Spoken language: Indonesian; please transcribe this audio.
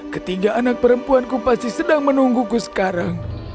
ketiga anak perempuanku pasti sedang menungguku sekarang